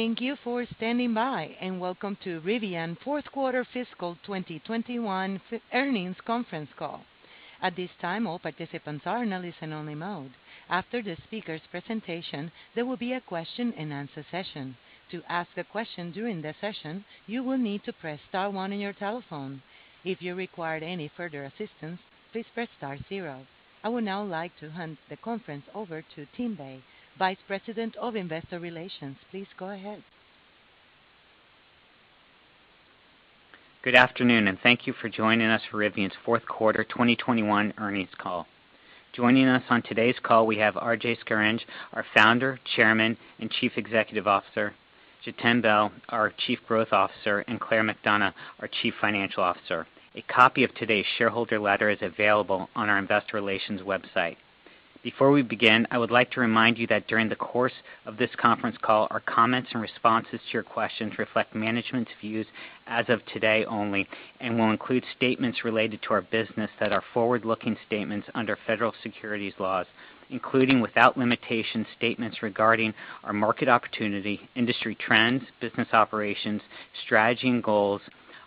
Thank you for standing by, and welcome to Rivian Fourth Quarter Fiscal 2021 Earnings Conference Call. At this time, all participants are in a listen only mode. After the speaker's presentation, there will be a question-and-answer session. To ask a question during the session, you will need to press star one on your telephone. If you require any further assistance, please press star zero. I would now like to hand the conference over to Tim Bei, Vice President of Investor Relations. Please go ahead. Good afternoon, and thank you for joining us for Rivian's Fourth Quarter 2021 Earnings Call. Joining us on today's call, we have RJ Scaringe, our Founder, Chairman, and Chief Executive Officer, Jiten Behl, our Chief Growth Officer, and Claire McDonough, our Chief Financial Officer. A copy of today's shareholder letter is available on our investor relations website. Before we begin, I would like to remind you that during the course of this conference call, our comments and responses to your questions reflect management's views as of today only and will include statements related to our business that are forward-looking statements under Federal Securities Laws, including without limitation, statements regarding our market opportunity, industry trends, business operations, strategy and goals,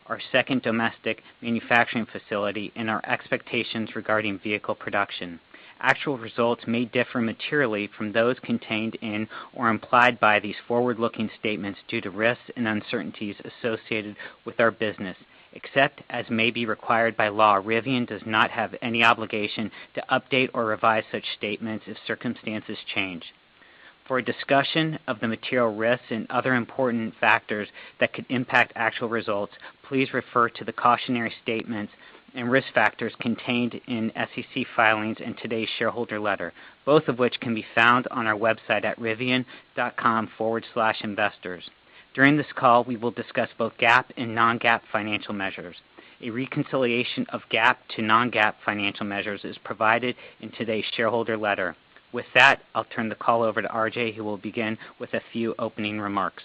our second domestic manufacturing facility, and our expectations regarding vehicle production. Actual results may differ materially from those contained in or implied by these forward-looking statements due to risks and uncertainties associated with our business. Except as may be required by law, Rivian does not have any obligation to update or revise such statements if circumstances change. For a discussion of the material risks and other important factors that could impact actual results, please refer to the cautionary statements and risk factors contained in SEC filings in today's shareholder letter, both of which can be found on our website at rivian.com/investors. During this call, we will discuss both GAAP and non-GAAP financial measures. A reconciliation of GAAP to non-GAAP financial measures is provided in today's shareholder letter. With that, I'll turn the call over to RJ, who will begin with a few opening remarks.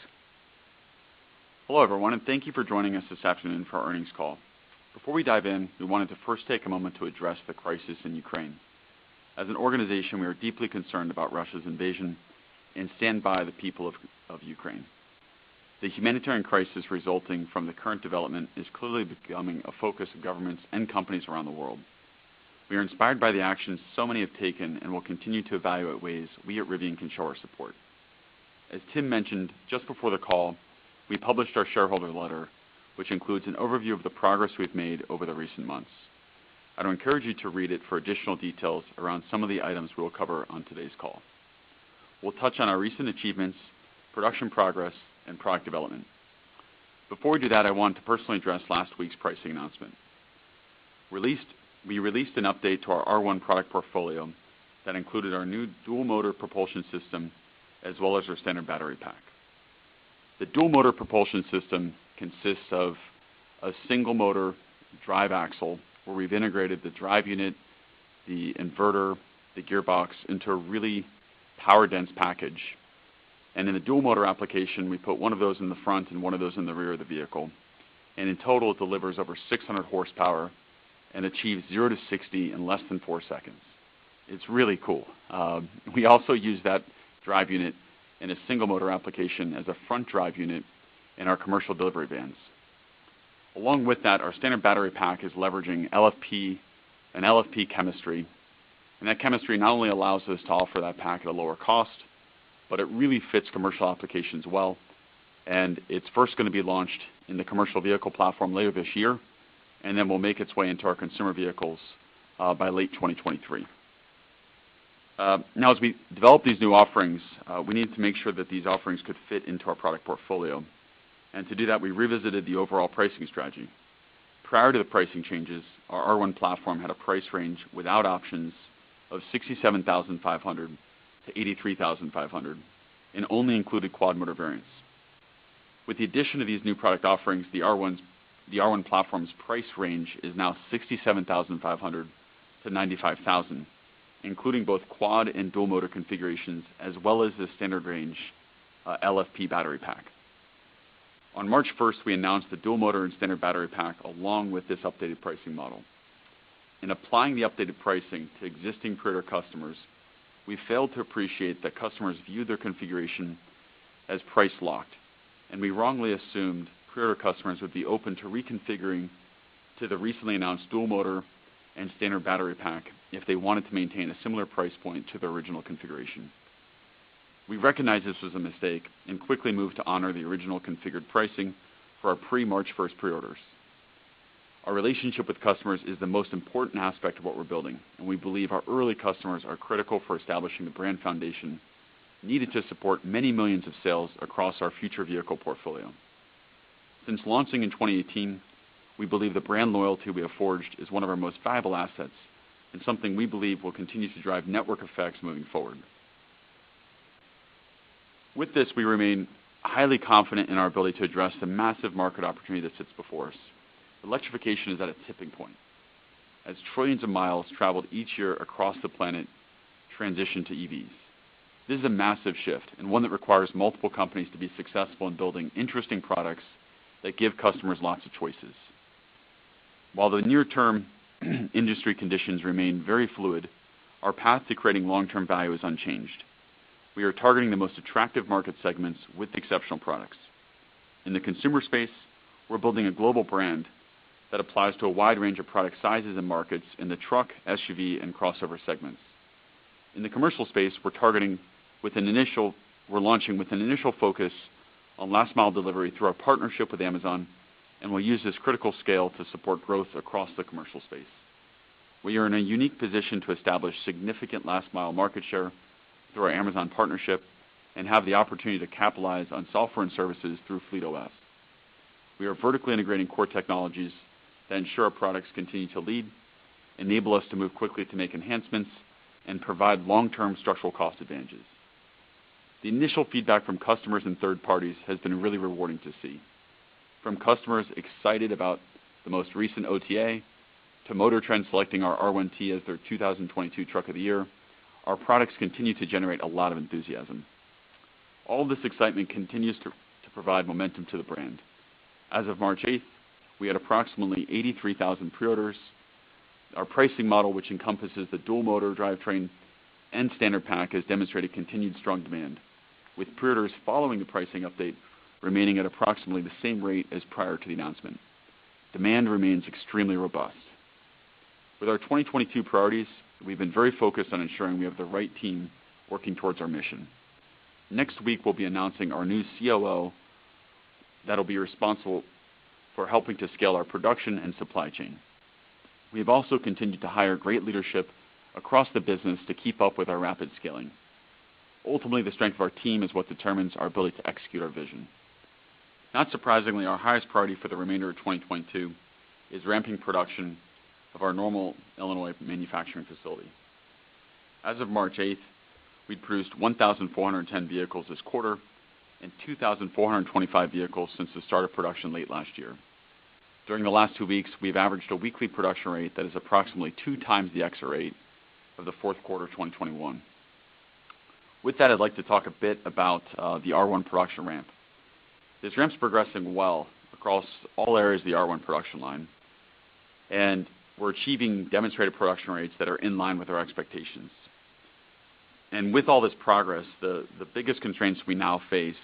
Hello, everyone, and thank you for joining us this afternoon for our earnings call. Before we dive in, we wanted to first take a moment to address the crisis in Ukraine. As an organization, we are deeply concerned about Russia's invasion and stand by the people of Ukraine. The humanitarian crisis resulting from the current development is clearly becoming a focus of governments and companies around the world. We are inspired by the actions so many have taken and will continue to evaluate ways we at Rivian can show our support. As Tim mentioned, just before the call, we published our shareholder letter, which includes an overview of the progress we've made over the recent months. I'd encourage you to read it for additional details around some of the items we'll cover on today's call. We'll touch on our recent achievements, production progress, and product development. Before we do that, I want to personally address last week's pricing announcement. We released an update to our R1 product portfolio that included our new dual motor propulsion system, as well as our standard battery pack. The dual motor propulsion system consists of a single motor drive axle, where we've integrated the drive unit, the inverter, the gearbox, into a really power dense package. In a dual motor application, we put one of those in the front and one of those in the rear of the vehicle. In total, it delivers over 600 horsepower and achieves 0-60 in less than 4 seconds. It's really cool. We also use that drive unit in a single motor application as a front drive unit in our commercial delivery vans. Along with that, our standard battery pack is leveraging LFP and LFP chemistry, and that chemistry not only allows us to offer that pack at a lower cost, but it really fits commercial applications well, and it's first gonna be launched in the commercial vehicle platform later this year, and then will make its way into our consumer vehicles by late 2023. Now, as we develop these new offerings, we need to make sure that these offerings could fit into our product portfolio. To do that, we revisited the overall pricing strategy. Prior to the pricing changes, our R1 platform had a price range without options of $67,500-$83,500 and only included quad motor variants. With the addition of these new product offerings, the R1 platform's price range is now $67,500-$95,000, including both quad and dual motor configurations, as well as the standard range, LFP battery pack. On March 1st, we announced the dual motor and standard battery pack, along with this updated pricing model. In applying the updated pricing to existing pre-order customers, we failed to appreciate that customers view their configuration as price locked, and we wrongly assumed pre-order customers would be open to reconfiguring to the recently announced dual motor and standard battery pack if they wanted to maintain a similar price point to the original configuration. We recognize this was a mistake and quickly moved to honor the original configured pricing for our pre March 1st pre-orders. Our relationship with customers is the most important aspect of what we're building, and we believe our early customers are critical for establishing the brand foundation needed to support many millions of sales across our future vehicle portfolio. Since launching in 2018, we believe the brand loyalty we have forged is one of our most valuable assets and something we believe will continue to drive network effects moving forward. With this, we remain highly confident in our ability to address the massive market opportunity that sits before us. Electrification is at a tipping point as trillions of miles traveled each year across the planet transition to EVs. This is a massive shift and one that requires multiple companies to be successful in building interesting products that give customers lots of choices. While the near-term industry conditions remain very fluid, our path to creating long-term value is unchanged. We are targeting the most attractive market segments with exceptional products. In the consumer space, we're building a global brand that applies to a wide range of product sizes and markets in the truck, SUV, and crossover segments. In the commercial space, we're launching with an initial focus on last-mile delivery through our partnership with Amazon, and we'll use this critical scale to support growth across the commercial space. We are in a unique position to establish significant last-mile market share through our Amazon partnership and have the opportunity to capitalize on software and services through FleetOS. We are vertically integrating core technologies to ensure our products continue to lead, enable us to move quickly to make enhancements, and provide long-term structural cost advantages. The initial feedback from customers and third parties has been really rewarding to see, from customers excited about the most recent OTA to MotorTrend selecting our R1T as their 2022 Truck of the Year. Our products continue to generate a lot of enthusiasm. All this excitement continues to provide momentum to the brand. As of March 8, we had approximately 83,000 pre-orders. Our pricing model, which encompasses the dual motor drivetrain and standard pack, has demonstrated continued strong demand, with pre-orders following the pricing update remaining at approximately the same rate as prior to the announcement. Demand remains extremely robust. With our 2022 priorities, we've been very focused on ensuring we have the right team working towards our mission. Next week, we'll be announcing our new Chief Operating Officer that'll be responsible for helping to scale our production and supply chain. We have also continued to hire great leadership across the business to keep up with our rapid scaling. Ultimately, the strength of our team is what determines our ability to execute our vision. Not surprisingly, our highest priority for the remainder of 2022 is ramping production of our Normal, Illinois, manufacturing facility. As of March 8, we produced 1,410 vehicles this quarter and 2,425 vehicles since the start of production late last year. During the last 2 weeks, we've averaged a weekly production rate that is approximately 2x the exit rate of the fourth quarter of 2021. With that, I'd like to talk a bit about the R1 production ramp. This ramp's progressing well across all areas of the R1 production line, and we're achieving demonstrated production rates that are in line with our expectations. With all this progress, the biggest constraints we now face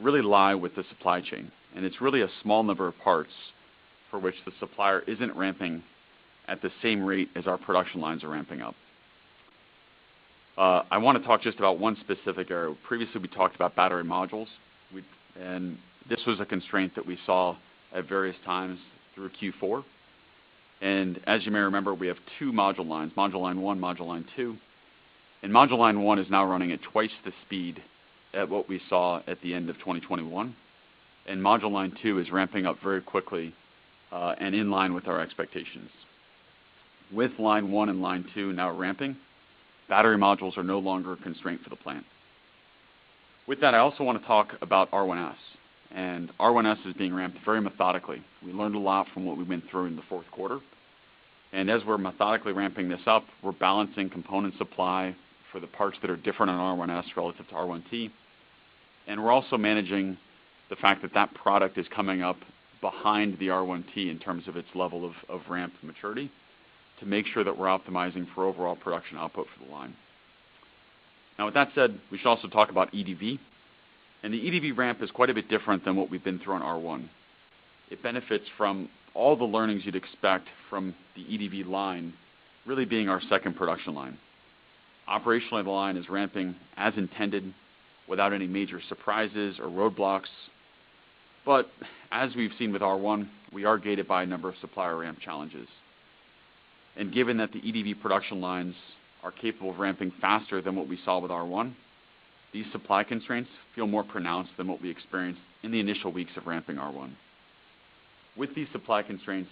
really lie with the supply chain, and it's really a small number of parts for which the supplier isn't ramping at the same rate as our production lines are ramping up. I wanna talk just about one specific area. Previously, we talked about battery modules, and this was a constraint that we saw at various times through Q4. As you may remember, we have two module lines, module line one, module line two, and module line one is now running at twice the speed at what we saw at the end of 2021. Module line two is ramping up very quickly, and in line with our expectations. With line one and line two now ramping, battery modules are no longer a constraint for the plant. With that, I also wanna talk about R1S. R1S is being ramped very methodically. We learned a lot from what we've been through in the fourth quarter, and as we're methodically ramping this up, we're balancing component supply for the parts that are different on R1S relative to R1T. We're also managing the fact that that product is coming up behind the R1T in terms of its level of ramp maturity to make sure that we're optimizing for overall production output for the line. Now, with that said, we should also talk about EDV. The EDV ramp is quite a bit different than what we've been through on R1. It benefits from all the learnings you'd expect from the EDV line really being our second production line. Operationally, the line is ramping as intended without any major surprises or roadblocks. As we've seen with R1, we are gated by a number of supplier ramp challenges. Given that the EDV production lines are capable of ramping faster than what we saw with R1, these supply constraints feel more pronounced than what we experienced in the initial weeks of ramping R1. With these supply constraints,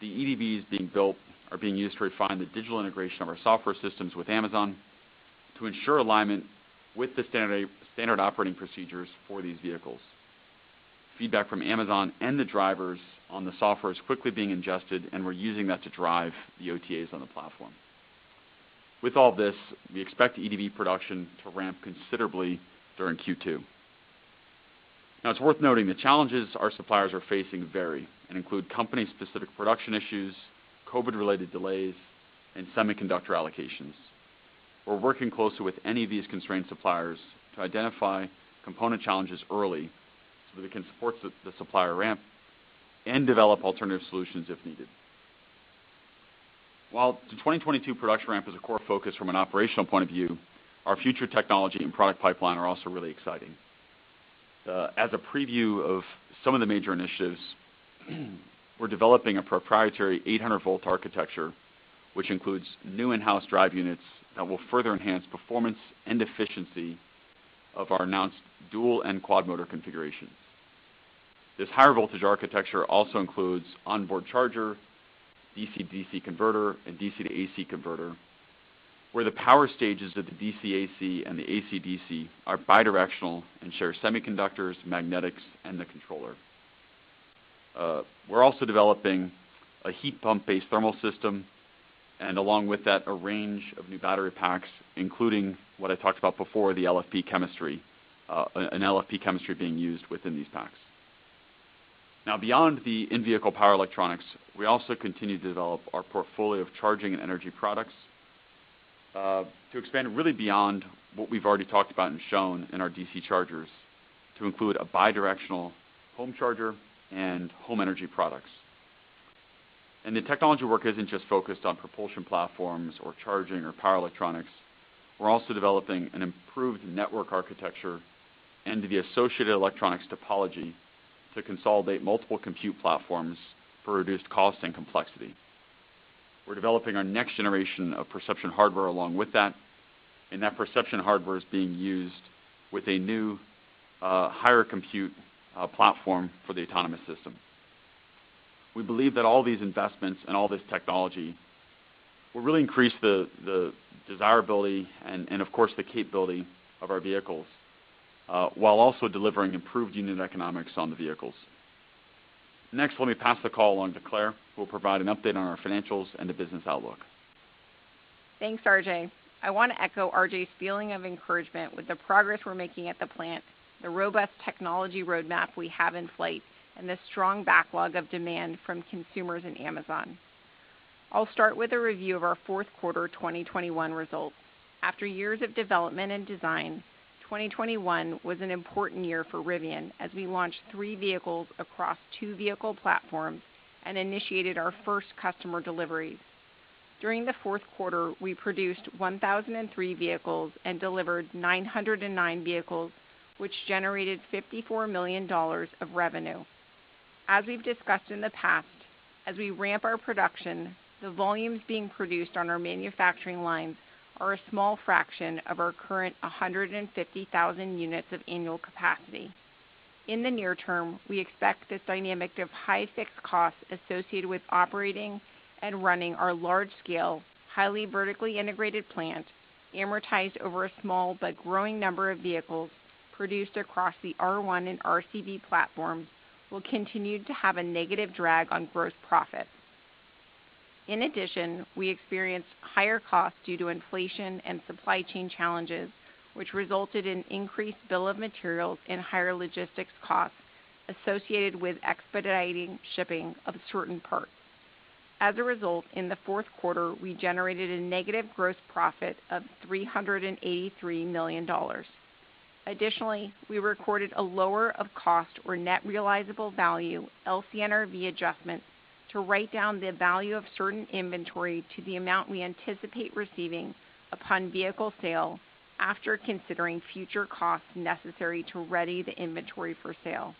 the EDVs being built are being used to refine the digital integration of our software systems with Amazon to ensure alignment with the standard operating procedures for these vehicles. Feedback from Amazon and the drivers on the software is quickly being ingested, and we're using that to drive the OTAs on the platform. With all this, we expect EDV production to ramp considerably during Q2. Now, it's worth noting the challenges our suppliers are facing vary and include company-specific production issues, COVID-related delays, and semiconductor allocations. We're working closely with any of these constrained suppliers to identify component challenges early so that we can support the supplier ramp and develop alternative solutions if needed. While the 2022 production ramp is a core focus from an operational point of view, our future technology and product pipeline are also really exciting. As a preview of some of the major initiatives, we're developing a proprietary 800-volt architecture, which includes new in-house drive units that will further enhance performance and efficiency of our announced dual and quad motor configurations. This higher voltage architecture also includes onboard charger, DC-DC converter, and DC to AC converter, where the power stages of the DC-AC and the AC-DC are bidirectional and share semiconductors, magnetics, and the controller. We're also developing a heat pump-based thermal system. Along with that, a range of new battery packs, including what I talked about before, the LFP chemistry, an LFP chemistry being used within these packs. Now, beyond the in-vehicle power electronics, we also continue to develop our portfolio of charging and energy products, to expand really beyond what we've already talked about and shown in our DC chargers to include a bidirectional home charger and home energy products. The technology work isn't just focused on propulsion platforms or charging or power electronics. We're also developing an improved network architecture and the associated electronics topology to consolidate multiple compute platforms for reduced cost and complexity. We're developing our next generation of perception hardware along with that, and that perception hardware is being used with a new, higher compute platform for the autonomous system. We believe that all these investments and all this technology will really increase the desirability and of course the capability of our vehicles while also delivering improved unit economics on the vehicles. Next, let me pass the call on to Claire, who will provide an update on our financials and the business outlook. Thanks, RJ. I want to echo RJ's feeling of encouragement with the progress we're making at the plant, the robust technology roadmap we have in flight, and the strong backlog of demand from consumers and Amazon. I'll start with a review of our fourth quarter, 2021 results. After years of development and design, 2021 was an important year for Rivian as we launched three vehicles across two vehicle platforms and initiated our first customer deliveries. During the fourth quarter, we produced 1,003 vehicles and delivered 909 vehicles, which generated $54 million of revenue. As we've discussed in the past, as we ramp our production, the volumes being produced on our manufacturing lines are a small fraction of our current 150,000 units of annual capacity. In the near term, we expect this dynamic of high fixed costs associated with operating and running our large scale, highly vertically integrated plant, amortized over a small but growing number of vehicles produced across the R1 and RCV platforms, will continue to have a negative drag on gross profit. In addition, we experienced higher costs due to inflation and supply chain challenges, which resulted in increased bill of materials and higher logistics costs associated with expediting shipping of certain parts. As a result, in the fourth quarter, we generated a negative gross profit of $383 million. Additionally, we recorded a Lower of Cost or Net Realizable Value, LCNRV adjustment, to write down the value of certain inventory to the amount we anticipate receiving upon vehicle sale, after considering future costs necessary to ready the inventory for sale.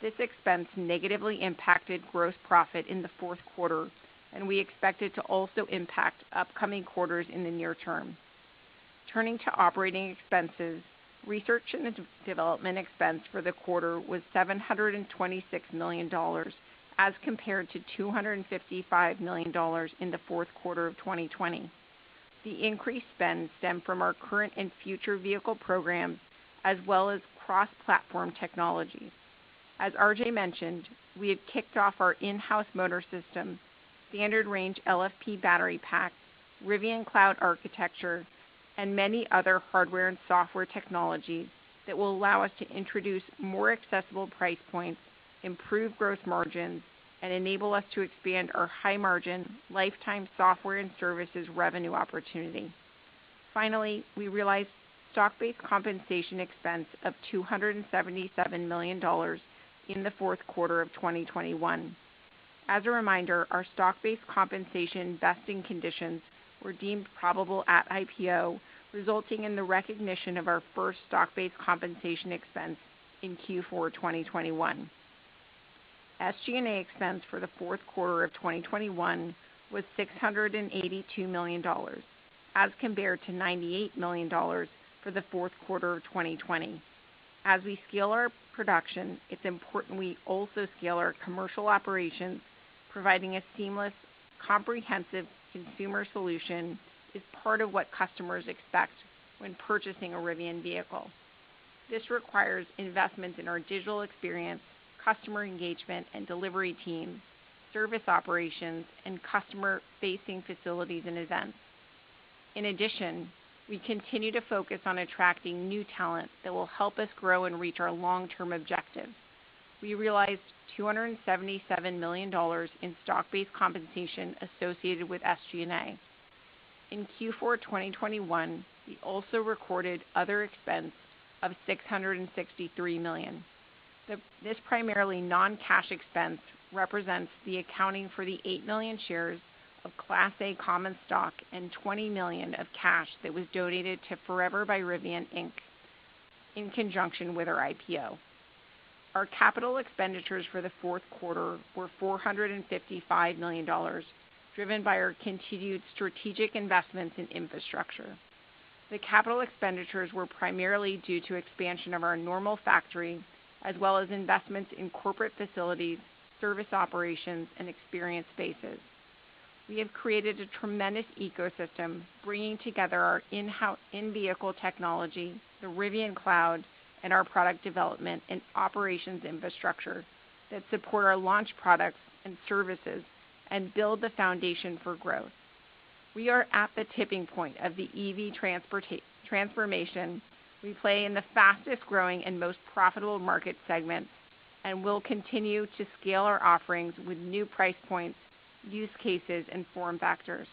This expense negatively impacted gross profit in the fourth quarter, and we expect it to also impact upcoming quarters in the near term. Turning to operating expenses, research and development expense for the quarter was $726 million, as compared to $255 million in the fourth quarter of 2020. The increased spend stemmed from our current and future vehicle programs, as well as cross-platform technologies. As RJ mentioned, we have kicked off our in-house motor system, standard range LFP battery packs, Rivian cloud architecture, and many other hardware and software technologies that will allow us to introduce more accessible price points, improve gross margins, and enable us to expand our high margin lifetime software and services revenue opportunity. Finally, we realized stock-based compensation expense of $277 million in the fourth quarter of 2021. As a reminder, our stock-based compensation vesting conditions were deemed probable at IPO, resulting in the recognition of our first stock-based compensation expense in Q4 2021. SG&A expense for the fourth quarter of 2021 was $682 million, as compared to $98 million for the fourth quarter of 2020. As we scale our production, it's important we also scale our commercial operations, providing a seamless, comprehensive consumer solution is part of what customers expect when purchasing a Rivian vehicle. This requires investments in our digital experience, customer engagement and delivery teams, service operations, and customer-facing facilities and events. In addition, we continue to focus on attracting new talent that will help us grow and reach our long-term objectives. We realized $277 million in stock-based compensation associated with SG&A. In Q4 2021, we also recorded other expense of $663 million. This primarily non-cash expense represents the accounting for the 8 million shares of Class A common stock and $20 million of cash that was donated to Forever by Rivian, Inc. in conjunction with our IPO. Our capital expenditures for the fourth quarter were $455 million, driven by our continued strategic investments in infrastructure. The capital expenditures were primarily due to expansion of our Normal factory, as well as investments in corporate facilities, service operations, and experience spaces. We have created a tremendous ecosystem, bringing together our in-house in-vehicle technology, the Rivian Cloud, and our product development and operations infrastructure that support our launch products and services and build the foundation for growth. We are at the tipping point of the EV transformation. We play in the fastest-growing and most profitable market segments, and we'll continue to scale our offerings with new price points, use cases, and form factors.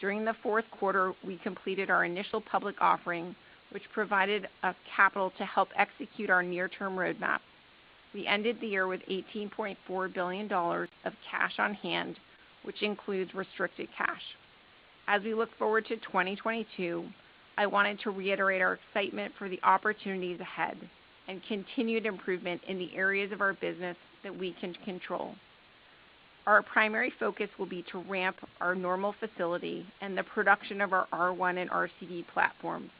During the fourth quarter, we completed our initial public offering, which provided us capital to help execute our near-term roadmap. We ended the year with $18.4 billion of cash on hand, which includes restricted cash. As we look forward to 2022, I wanted to reiterate our excitement for the opportunities ahead and continued improvement in the areas of our business that we can control. Our primary focus will be to ramp our Normal facility and the production of our R1 and RCV platforms.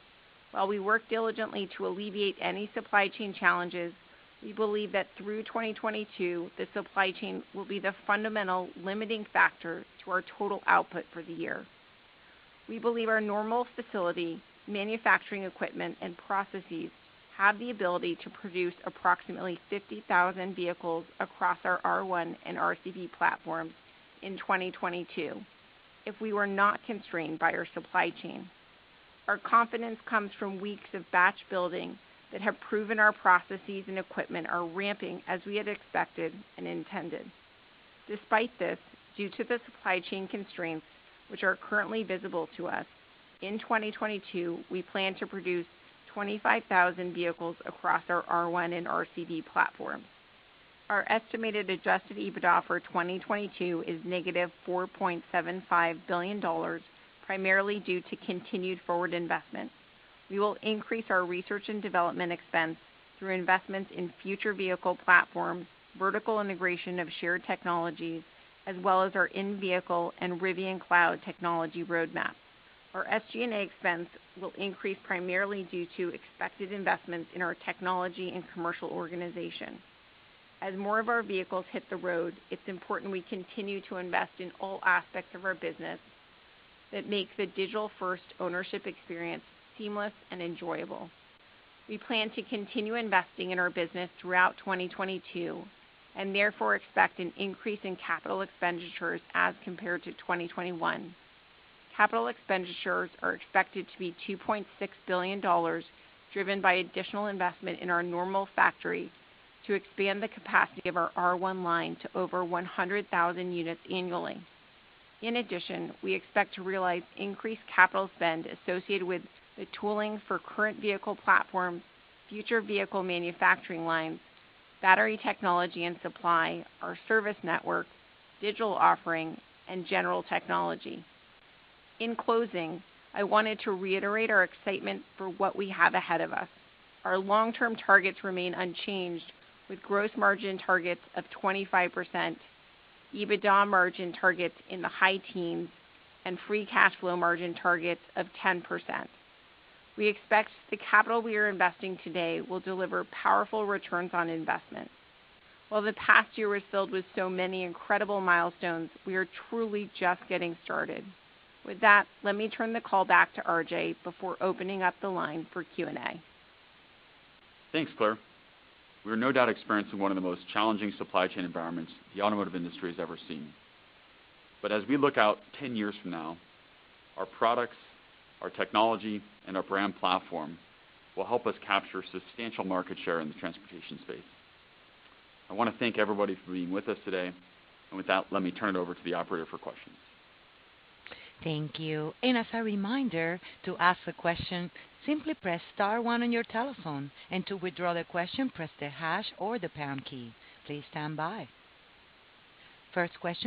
While we work diligently to alleviate any supply chain challenges, we believe that through 2022, the supply chain will be the fundamental limiting factor to our total output for the year. We believe our Normal facility, manufacturing equipment, and processes have the ability to produce approximately 50,000 vehicles across our R1 and RCV platforms in 2022 if we were not constrained by our supply chain. Our confidence comes from weeks of batch building that have proven our processes and equipment are ramping as we had expected and intended. Despite this, due to the supply chain constraints which are currently visible to us, in 2022, we plan to produce 25,000 vehicles across our R1 and RCV platforms. Our estimated adjusted EBITDA for 2022 is -$4.75 billion, primarily due to continued forward investment. We will increase our research and development expense through investments in future vehicle platforms, vertical integration of shared technologies, as well as our in-vehicle and Rivian Cloud technology roadmap. Our SG&A expense will increase primarily due to expected investments in our technology and commercial organization. As more of our vehicles hit the road, it's important we continue to invest in all aspects of our business that make the digital-first ownership experience seamless and enjoyable. We plan to continue investing in our business throughout 2022 and therefore expect an increase in capital expenditures as compared to 2021. Capital expenditures are expected to be $2.6 billion, driven by additional investment in our Normal factory to expand the capacity of our R1 line to over 100,000 units annually. In addition, we expect to realize increased capital spend associated with the tooling for current vehicle platforms, future vehicle manufacturing lines, battery technology and supply, our service network, digital offering, and general technology. In closing, I wanted to reiterate our excitement for what we have ahead of us. Our long-term targets remain unchanged, with gross margin targets of 25%, EBITDA margin targets in the high teens, and free cash flow margin targets of 10%. We expect the capital we are investing today will deliver powerful returns on investment. While the past year was filled with so many incredible milestones, we are truly just getting started. With that, let me turn the call back to RJ before opening up the line for Q&A. Thanks, Claire. We are no doubt experiencing one of the most challenging supply chain environments the automotive industry has ever seen. As we look out 10 years from now, our products, our technology, and our brand platform will help us capture substantial market share in the transportation space. I wanna thank everybody for being with us today. With that, let me turn it over to the operator for questions. First question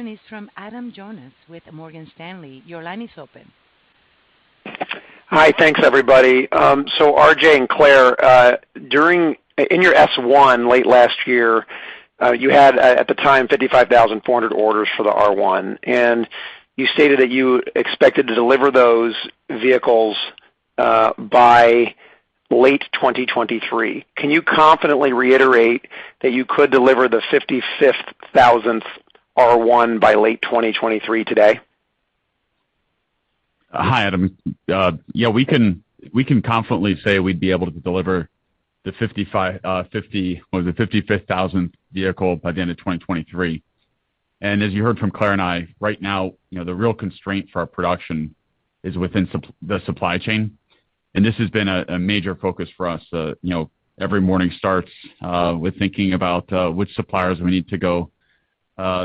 is from Adam Jonas with Morgan Stanley. Your line is open. Hi. Thanks, everybody. RJ and Claire, in your S-1 late last year, you had at the time 55,400 orders for the R1, and you stated that you expected to deliver those vehicles by late 2023. Can you confidently reiterate that you could deliver the 55,000th R1 by late 2023 today? Hi, Adam. Yeah, we can confidently say we'd be able to deliver the 50 or the 55,000th vehicle by the end of 2023. As you heard from Claire and I, right now, you know, the real constraint for our production is within the supply chain, and this has been a major focus for us. You know, every morning starts with thinking about which suppliers we need to go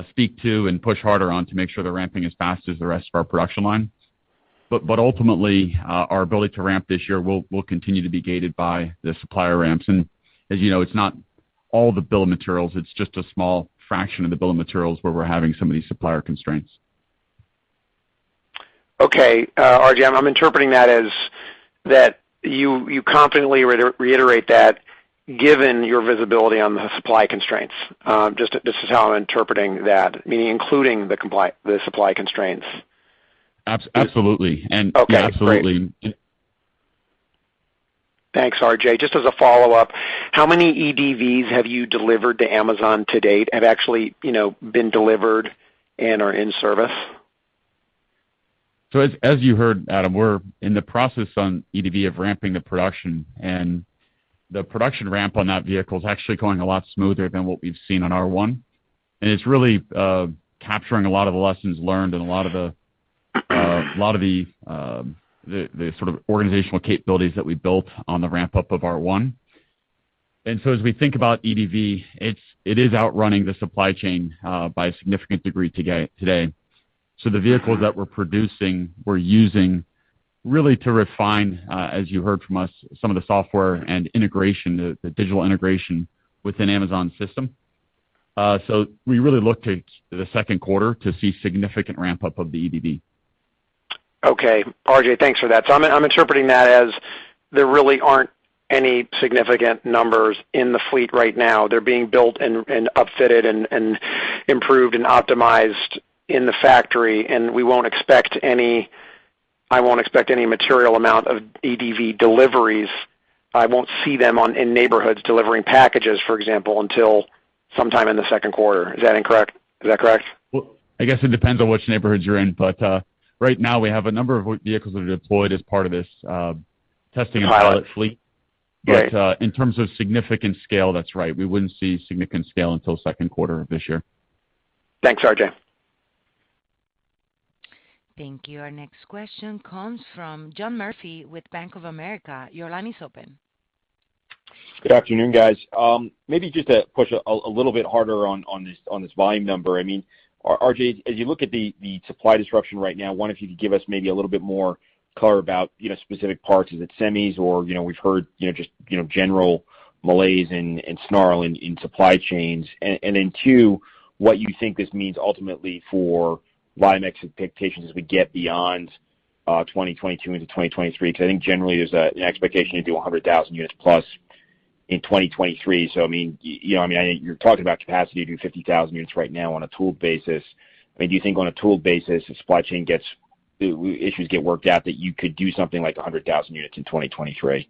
speak to and push harder on to make sure they're ramping as fast as the rest of our production line. But ultimately, our ability to ramp this year will continue to be gated by the supplier ramps. As you know, it's not all the bill of materials, it's just a small fraction of the bill of materials where we're having some of these supplier constraints. Okay. R.J., I'm interpreting that as you confidently reiterate that given your visibility on the supply constraints. This is how I'm interpreting that, meaning including the supply constraints. Abso-absolutely. Okay, great. Absolutely. Thanks, RJ. Just as a follow-up, how many EDVs have you delivered to Amazon to date that actually, you know, have been delivered and are in service? As you heard, Adam, we're in the process on EDV of ramping the production. The production ramp on that vehicle is actually going a lot smoother than what we've seen on R1, and it's really capturing a lot of the lessons learned and a lot of the sort of organizational capabilities that we built on the ramp-up of R1. As we think about EDV, it is outrunning the supply chain by a significant degree today. The vehicles that we're producing, we're using really to refine, as you heard from us, some of the software and integration, the digital integration within Amazon system. We really look to the second quarter to see significant ramp-up of the EDV. Okay. RJ, thanks for that. I'm interpreting that as there really aren't any significant numbers in the fleet right now. They're being built and upfitted and improved and optimized in the factory, and I won't expect any material amount of EDV deliveries. I won't see them in neighborhoods delivering packages, for example, until sometime in the second quarter. Is that incorrect? Is that correct? Well, I guess it depends on which neighborhoods you're in, but right now we have a number of vehicles that are deployed as part of this testing and pilot fleet. Got it. Right. In terms of significant scale, that's right. We wouldn't see significant scale until second quarter of this year. Thanks, RJ. Thank you. Our next question comes from John Murphy with Bank of America. Your line is open. Good afternoon, guys. Maybe just to push a little bit harder on this volume number. I mean, RJ, as you look at the supply disruption right now, I wonder if you could give us maybe a little bit more color about, you know, specific parts. Is it semis or, you know, we've heard, you know, just, you know, general malaise and snarl in supply chains, and then two, what you think this means ultimately for volume expectations as we get beyond 2022 into 2023. 'Cause I think generally there's an expectation to do 100,000 units plus in 2023. So I mean, you know, I mean, I think you're talking about capacity to do 50,000 units right now on a tool basis. I mean, do you think on a tool basis, the supply chain gets. issues get worked out, that you could do something like 100,000 units in 2023?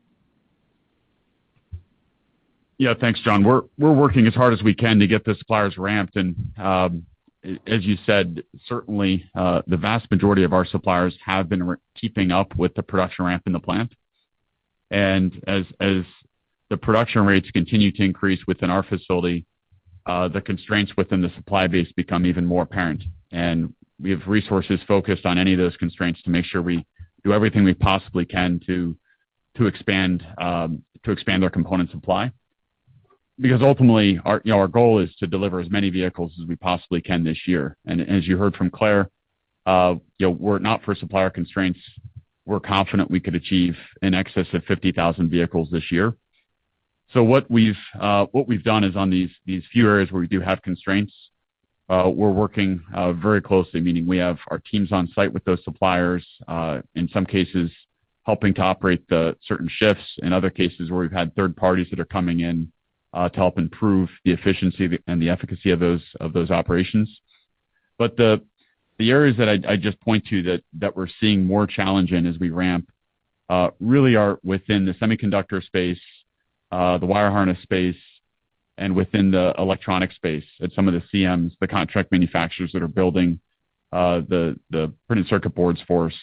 Yeah. Thanks, John. We're working as hard as we can to get the suppliers ramped. As you said, certainly the vast majority of our suppliers have been keeping up with the production ramp in the plant. As the production rates continue to increase within our facility, the constraints within the supply base become even more apparent. We have resources focused on any of those constraints to make sure we do everything we possibly can to expand our component supply. Because ultimately, you know, our goal is to deliver as many vehicles as we possibly can this year. As you heard from Claire, you know, were it not for supplier constraints, we're confident we could achieve in excess of 50,000 vehicles this year. What we've done is on these few areas where we do have constraints, we're working very closely, meaning we have our teams on site with those suppliers, in some cases helping to operate the certain shifts. In other cases, where we've had third parties that are coming in, to help improve the efficiency and the efficacy of those operations. The areas that I just point to that we're seeing more challenge in as we ramp, really are within the semiconductor space, the wire harness space and within the electronic space at some of the CMs, the contract manufacturers that are building, the printed circuit boards for us.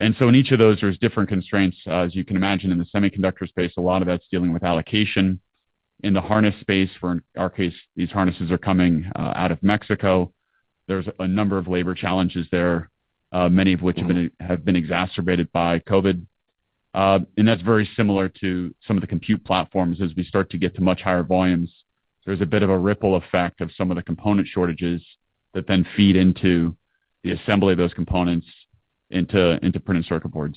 In each of those, there's different constraints. As you can imagine in the semiconductor space, a lot of that's dealing with allocation. In the harness space, for our case, these harnesses are coming out of Mexico. There's a number of labor challenges there, many of which have been exacerbated by COVID. That's very similar to some of the compute platforms. As we start to get to much higher volumes, there's a bit of a ripple effect of some of the component shortages that then feed into the assembly of those components into printed circuit boards.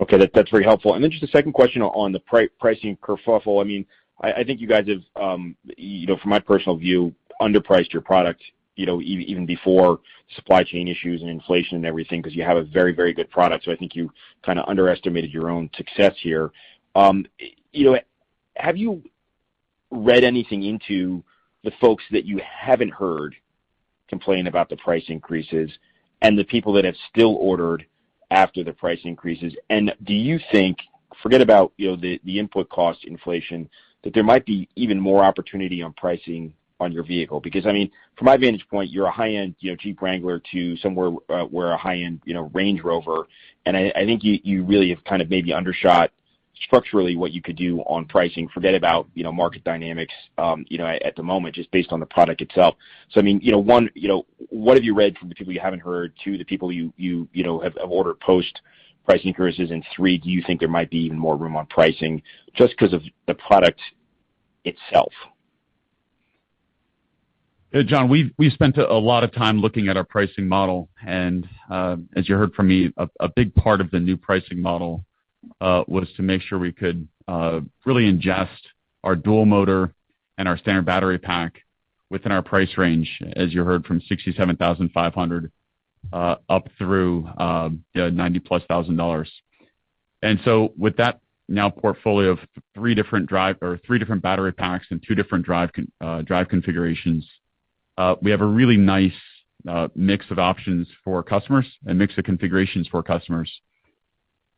Okay. That's very helpful. Then just a second question on the pricing kerfuffle. I mean, I think you guys have, you know, from my personal view, underpriced your product, you know, even before supply chain issues and inflation and everything, 'cause you have a very good product. I think you kinda underestimated your own success here. You know, have you read anything into the folks that you haven't heard complain about the price increases and the people that have still ordered after the price increases? Do you think, forget about, you know, the input cost inflation, that there might be even more opportunity on pricing on your vehicle? I mean, from my vantage point, you're a high-end, you know, Jeep Wrangler to somewhere where a high-end, you know, Range Rover, and I think you really have kind of maybe undershot structurally what you could do on pricing. Forget about, you know, market dynamics, you know, at the moment, just based on the product itself. I mean, you know, one, you know, what have you read from the people you haven't heard? Two, the people you know have ordered post price increases. Three, do you think there might be even more room on pricing just 'cause of the product itself? Yeah. John, we've spent a lot of time looking at our pricing model, and as you heard from me, a big part of the new pricing model was to make sure we could really ingest our dual motor and our standard battery pack within our price range, as you heard, from $67,500 up through, you know, $90,000+. With that now portfolio of three different battery packs and two different drive configurations, we have a really nice mix of options for customers and mix of configurations for customers.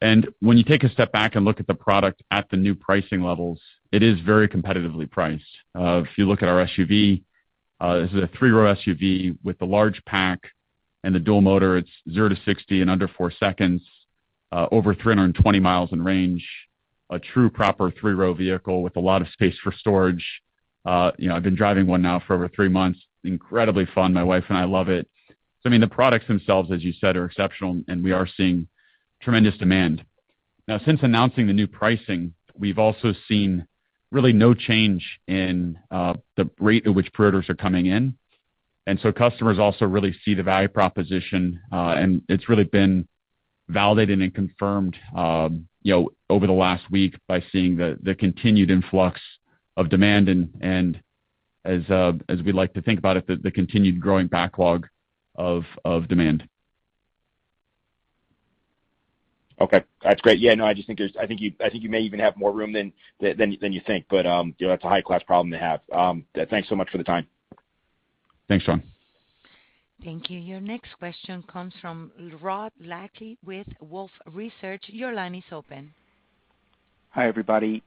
When you take a step back and look at the product at the new pricing levels, it is very competitively priced. If you look at our SUV, this is a three-row SUV with a large pack and the dual motor. It's 0-60 in under 4 seconds, over 320 miles in range. A true proper three-row vehicle with a lot of space for storage. You know, I've been driving one now for over 3 months, incredibly fun. My wife and I love it. I mean, the products themselves, as you said, are exceptional, and we are seeing tremendous demand. Now, since announcing the new pricing, we've also seen really no change in the rate at which pre-orders are coming in. Customers also really see the value proposition, and it's really been validated and confirmed, you know, over the last week by seeing the continued influx of demand and as we like to think about it, the continued growing backlog of demand. Okay. That's great. Yeah, no, I just think there's I think you may even have more room than you think. You know, that's a high-class problem to have. Thanks so much for the time. Thanks, John. Thank you. Your next question comes from Rod Lache with Wolfe Research. Your line is open. Hi, everybody.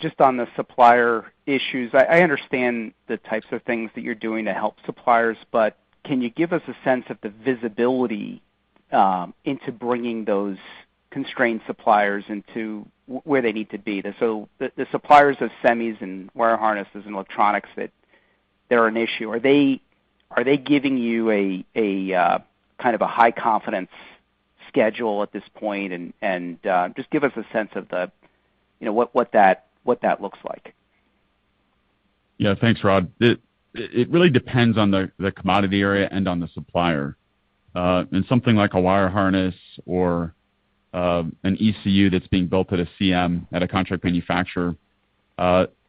Just on the supplier issues. I understand the types of things that you're doing to help suppliers, but can you give us a sense of the visibility into bringing those constrained suppliers into where they need to be? The suppliers of semis and wire harnesses and electronics that they're an issue. Are they giving you a kind of high confidence schedule at this point? Just give us a sense of you know what that looks like. Yeah. Thanks, Rod. It really depends on the commodity area and on the supplier. Something like a wire harness or an ECU that's being built at a CM, at a contract manufacturer,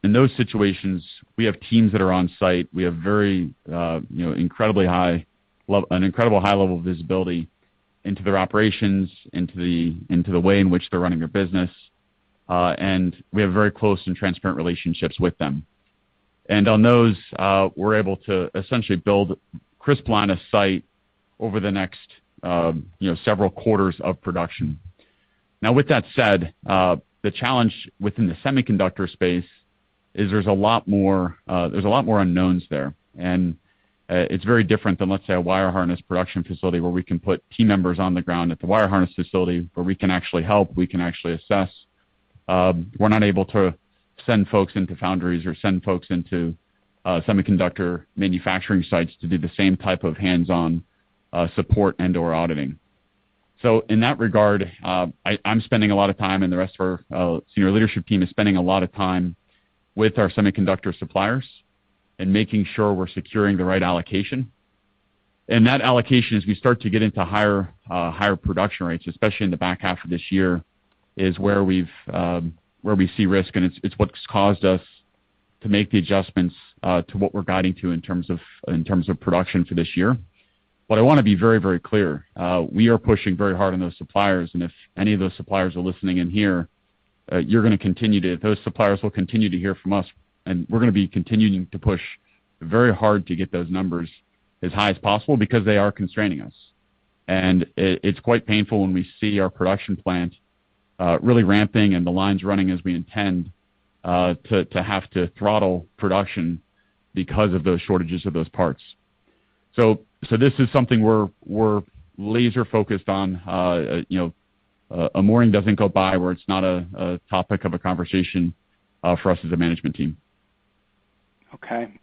in those situations, we have teams that are on site. We have an incredibly high level of visibility into their operations, into the way in which they're running their business. We have very close and transparent relationships with them. On those, we're able to essentially build crisp line of sight over the next several quarters of production. With that said, the challenge within the semiconductor space is there's a lot more unknowns there. It's very different than, let's say, a wire harness production facility where we can put team members on the ground at the wire harness facility where we can actually help, we can actually assess. We're not able to send folks into foundries or send folks into semiconductor manufacturing sites to do the same type of hands-on support and/or auditing. In that regard, I'm spending a lot of time, and the rest of our senior leadership team is spending a lot of time with our semiconductor suppliers and making sure we're securing the right allocation. That allocation, as we start to get into higher production rates, especially in the back half of this year, is where we see risk, and it's what's caused us to make the adjustments to what we're guiding to in terms of production for this year. I wanna be very, very clear, we are pushing very hard on those suppliers, and if any of those suppliers are listening in here, those suppliers will continue to hear from us, and we're gonna be continuing to push very hard to get those numbers as high as possible because they are constraining us. It's quite painful when we see our production plant really ramping and the lines running as we intend to have to throttle production because of those shortages of those parts. This is something we're laser focused on. You know, a morning doesn't go by where it's not a topic of a conversation for us as a management team. Okay.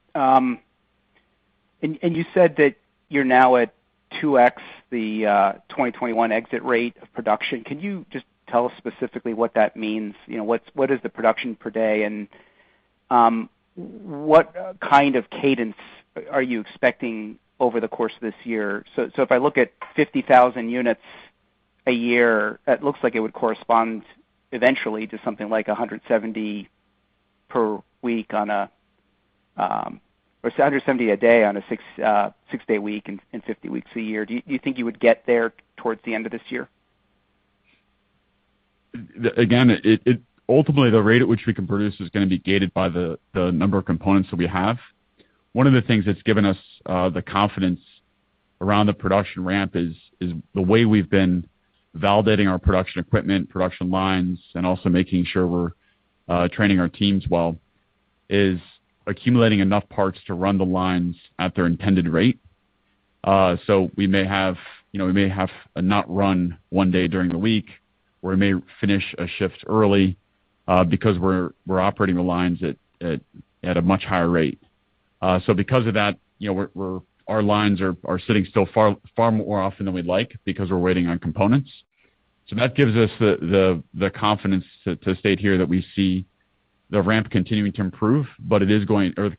You said that you're now at 2x the 2021 exit rate of production. Can you just tell us specifically what that means? What is the production per day, and what kind of cadence are you expecting over the course of this year? If I look at 50,000 units a year, it looks like it would correspond eventually to something like 170 a day on a six-day week and 50 weeks a year. Do you think you would get there towards the end of this year? Ultimately, the rate at which we can produce is gonna be gated by the number of components that we have. One of the things that's given us the confidence around the production ramp is the way we've been validating our production equipment, production lines, and also making sure we're training our teams well, is accumulating enough parts to run the lines at their intended rate. So we may have, you know, we may have not run one day during the week, or we may finish a shift early, because we're operating the lines at a much higher rate. So because of that, you know, we're our lines are sitting still far more often than we'd like because we're waiting on components. That gives us the confidence to state here that we see the ramp continuing to improve, but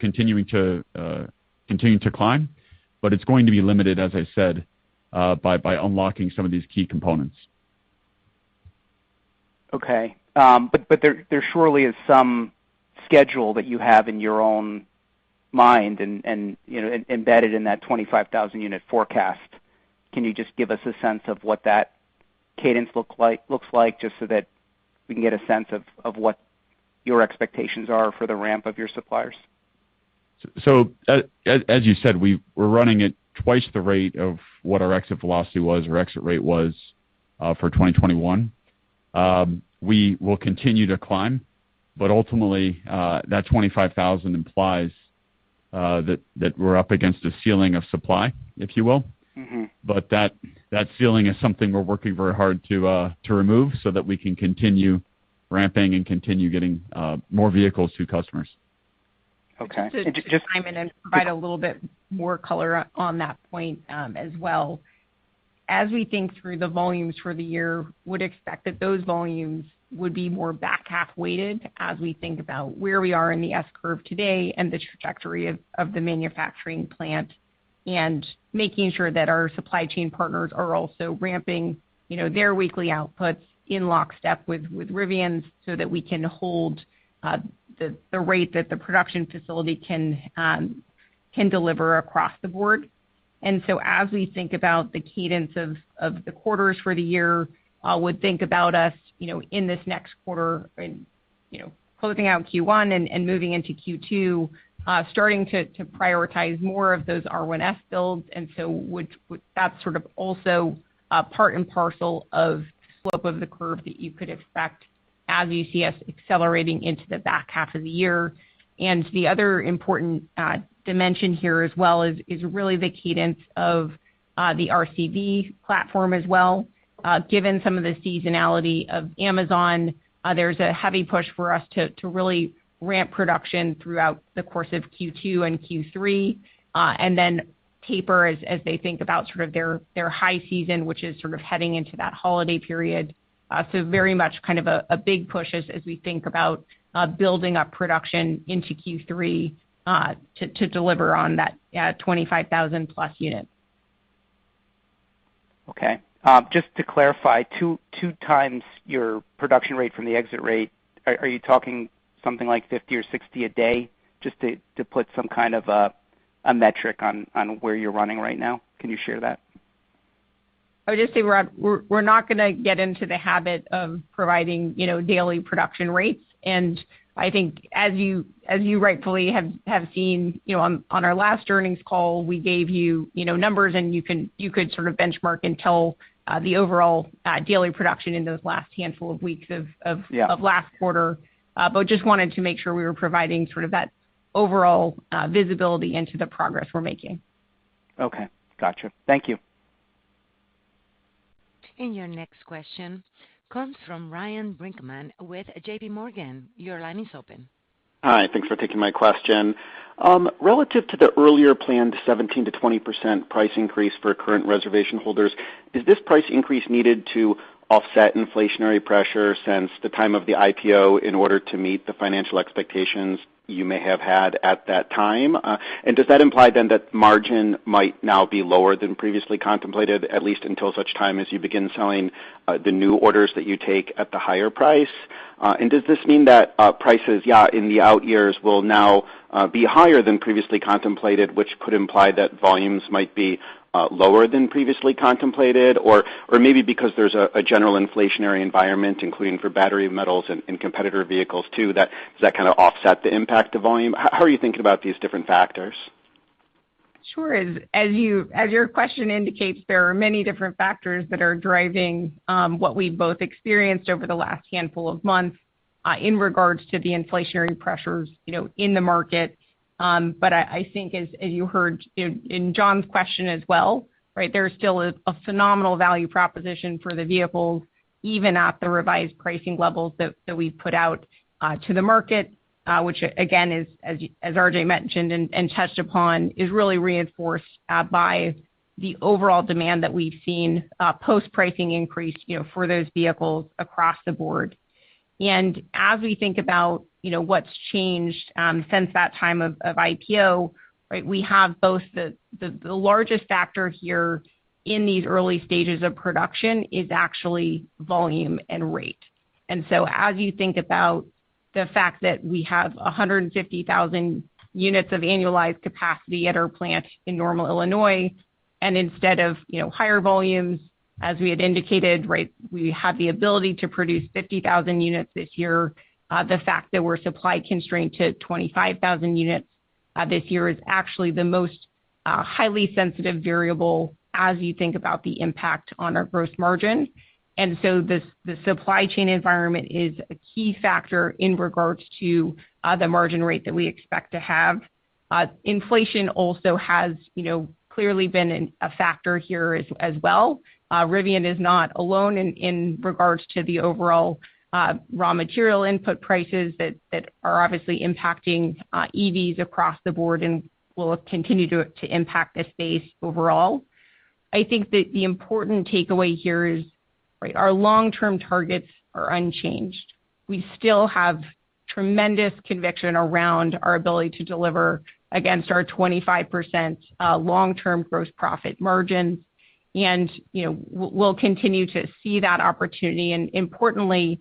continuing to climb, but it's going to be limited, as I said, by unlocking some of these key components. Surely there is some schedule that you have in your own mind and, you know, embedded in that 25,000 unit forecast. Can you just give us a sense of what that cadence looks like, just so that we can get a sense of what your expectations are for the ramp of your suppliers? As you said, we're running at twice the rate of what our exit velocity was or exit rate was for 2021. We will continue to climb, but ultimately, that 25,000 implies that we're up against a ceiling of supply, if you will. Mm-hmm. That ceiling is something we're working very hard to remove so that we can continue ramping and continue getting more vehicles to customers. Okay. Provide a little bit more color on that point, as well. As we think through the volumes for the year, would expect that those volumes would be more back half weighted as we think about where we are in the S-curve today and the trajectory of the manufacturing plant, and making sure that our supply chain partners are also ramping, you know, their weekly outputs in lockstep with Rivian's so that we can hold the rate that the production facility can deliver across the board. As we think about the cadence of the quarters for the year, would think about us, you know, in this next quarter and, you know, closing out Q1 and moving into Q2, starting to prioritize more of those R1S builds. That's sort of also part and parcel of slope of the curve that you could expect as you see us accelerating into the back half of the year. The other important dimension here as well is really the cadence of the RCV platform as well. Given some of the seasonality of Amazon, there's a heavy push for us to really ramp production throughout the course of Q2 and Q3, and then taper as they think about sort of their high season, which is sort of heading into that holiday period. Very much kind of a big push as we think about building up production into Q3 to deliver on that 25,000+ units. Okay. Just to clarify, two times your production rate from the exit rate, are you talking something like 50 or 60 a day? Just to put some kind of a metric on where you're running right now. Can you share that? I would just say, Rod, we're not gonna get into the habit of providing, you know, daily production rates. I think as you rightfully have seen, you know, on our last earnings call, we gave you know, numbers, and you could sort of benchmark and tell the overall daily production in those last handful of weeks of Yeah... of last quarter. Just wanted to make sure we were providing sort of that overall visibility into the progress we're making. Okay. Gotcha. Thank you. Your next question comes from Ryan Brinkman with J.P. Morgan. Your line is open. Hi. Thanks for taking my question. Relative to the earlier planned 17%-20% price increase for current reservation holders, is this price increase needed to offset inflationary pressure since the time of the IPO in order to meet the financial expectations you may have had at that time? Does that imply then that margin might now be lower than previously contemplated, at least until such time as you begin selling the new orders that you take at the higher price? Does this mean that prices, yeah, in the out years will now be higher than previously contemplated, which could imply that volumes might be lower than previously contemplated? Maybe because there's a general inflationary environment, including for battery metals and competitor vehicles too, that does kinda offset the impact to volume? How are you thinking about these different factors? Sure. As your question indicates, there are many different factors that are driving what we've both experienced over the last handful of months in regards to the inflationary pressures, you know, in the market. I think as you heard in John's question as well, right, there's still a phenomenal value proposition for the vehicles, even at the revised pricing levels that we've put out to the market, which again is, as RJ mentioned and touched upon, really reinforced by the overall demand that we've seen post-pricing increase, you know, for those vehicles across the board. As we think about, you know, what's changed since that time of IPO, right, we have both the largest factor here in these early stages of production is actually volume and rate. As you think about the fact that we have 150,000 units of annualized capacity at our plant in Normal, Illinois, and instead of, you know, higher volumes, as we had indicated, right, we have the ability to produce 50,000 units this year. The fact that we're supply constrained to 25,000 units this year is actually the most highly sensitive variable as you think about the impact on our gross margin. The supply chain environment is a key factor in regards to the margin rate that we expect to have. Inflation also has, you know, clearly been a factor here as well. Rivian is not alone in regards to the overall raw material input prices that are obviously impacting EVs across the board and will continue to impact the space overall. I think that the important takeaway here is, right, our long-term targets are unchanged. We still have tremendous conviction around our ability to deliver against our 25% long-term gross profit margin. You know, we'll continue to see that opportunity. Importantly,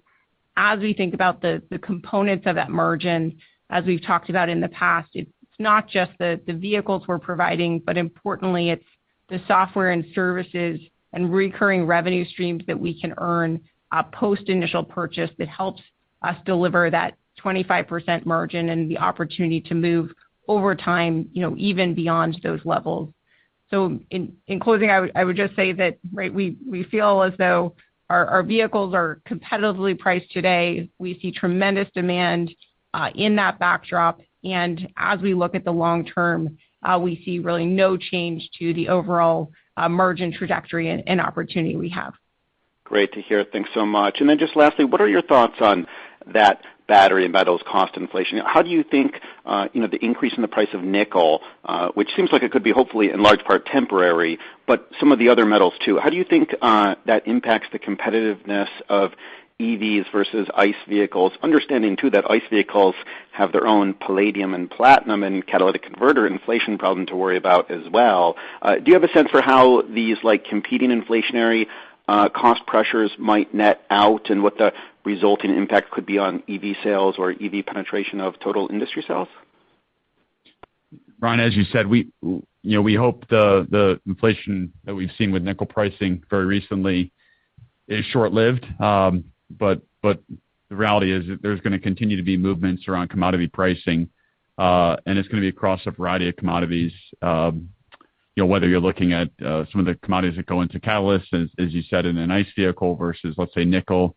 as we think about the components of that margin, as we've talked about in the past, it's not just the vehicles we're providing, but importantly it's The software and services and recurring revenue streams that we can earn post initial purchase that helps us deliver that 25% margin and the opportunity to move over time, you know, even beyond those levels. In closing, I would just say that, right, we feel as though our vehicles are competitively priced today. We see tremendous demand in that backdrop. As we look at the long term, we see really no change to the overall margin trajectory and opportunity we have. Great to hear. Thanks so much. Just lastly, what are your thoughts on that battery and metals cost inflation? How do you think the increase in the price of nickel, which seems like it could be hopefully in large part temporary, but some of the other metals too. How do you think that impacts the competitiveness of EVs versus ICE vehicles? Understanding too that ICE vehicles have their own palladium and platinum and catalytic converter inflation problem to worry about as well. Do you have a sense for how these like competing inflationary cost pressures might net out and what the resulting impact could be on EV sales or EV penetration of total industry sales? Ryan, as you said, we, you know, we hope the inflation that we've seen with nickel pricing very recently is short-lived. The reality is that there's gonna continue to be movements around commodity pricing, and it's gonna be across a variety of commodities, you know, whether you're looking at some of the commodities that go into catalysts, as you said, in an ICE vehicle versus, let's say, nickel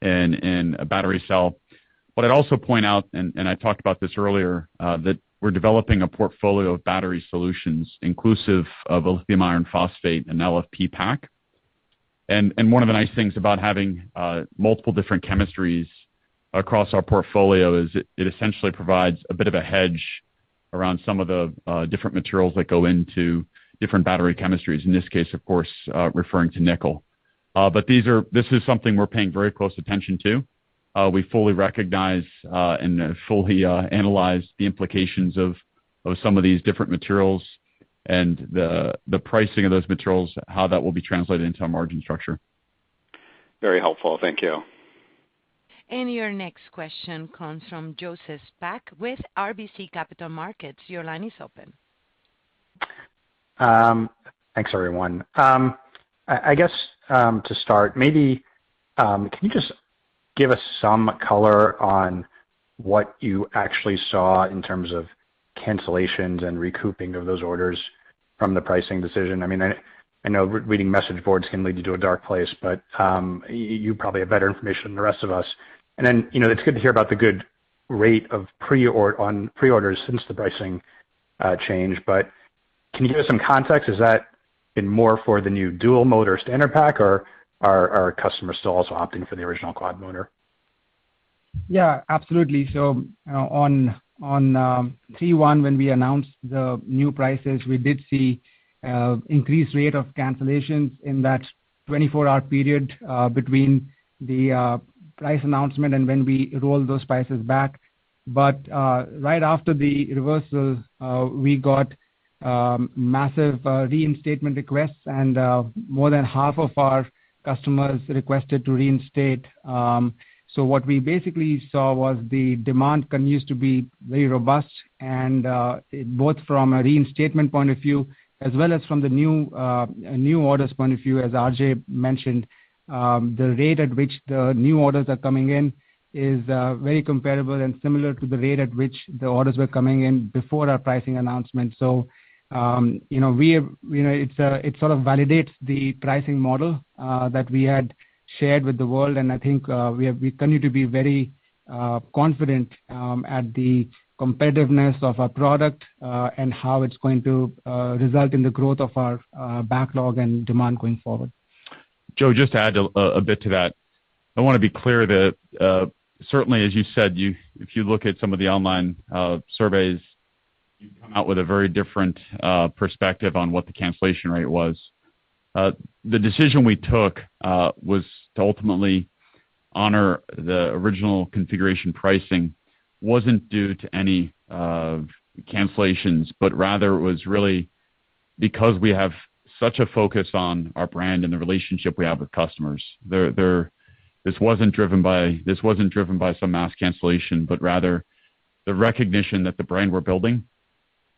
in a battery cell. I'd also point out, and I talked about this earlier, that we're developing a portfolio of battery solutions inclusive of lithium iron phosphate and LFP pack. One of the nice things about having multiple different chemistries across our portfolio is it essentially provides a bit of a hedge around some of the different materials that go into different battery chemistries. In this case, of course, referring to nickel. This is something we're paying very close attention to. We fully recognize and fully analyze the implications of some of these different materials and the pricing of those materials, how that will be translated into our margin structure. Very helpful. Thank you. Your next question comes from Joseph Spak with RBC Capital Markets. Your line is open. Thanks everyone. I guess to start, maybe can you just give us some color on what you actually saw in terms of cancellations and recouping of those orders from the pricing decision? I mean, I know reading message boards can lead you to a dark place, but you probably have better information than the rest of us. Then, you know, it's good to hear about the good rate of pre-orders since the pricing changed. Can you give us some context? Has that been more for the new dual motor standard pack, or are customers still also opting for the original quad motor? Yeah, absolutely. On R1, when we announced the new prices, we did see increased rate of cancellations in that 24-hour period between the price announcement and when we rolled those prices back. Right after the reversal, we got massive reinstatement requests and more than half of our customers requested to reinstate. What we basically saw was the demand continues to be very robust and both from a reinstatement point of view as well as from the new orders point of view, as RJ mentioned. The rate at which the new orders are coming in is very comparable and similar to the rate at which the orders were coming in before our pricing announcement. You know, you know, it sort of validates the pricing model that we had shared with the world, and I think we continue to be very confident at the competitiveness of our product and how it's going to result in the growth of our backlog and demand going forward. Joe, just to add a bit to that. I wanna be clear that certainly as you said, if you look at some of the online surveys, you come out with a very different perspective on what the cancellation rate was. The decision we took was to ultimately honor the original configuration pricing wasn't due to any cancellations, but rather was really because we have such a focus on our brand and the relationship we have with customers. This wasn't driven by some mass cancellation, but rather the recognition that the brand we're building